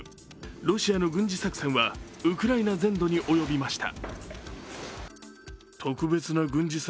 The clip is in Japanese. ロシアの軍事作戦はウクライナ全土におよびました。